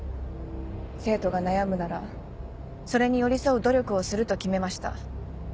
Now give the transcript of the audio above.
生徒が悩むならそれに寄り添う努力をすると決めました。